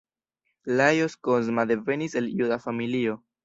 Lajos Kozma devenis el juda familio.